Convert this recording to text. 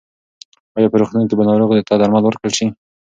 ایا په روغتون کې به ناروغ ته درمل ورکړل شي؟